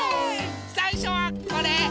さいしょはこれ。